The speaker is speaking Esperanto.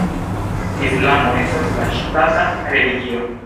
Islamo estas la ŝtata religio.